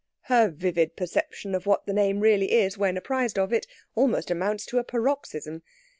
Her vivid perception of what the name really is, when apprised of it, almost amounts to a paroxysm.